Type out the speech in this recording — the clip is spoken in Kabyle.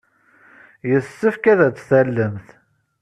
Yessefk ad tt-tallemt.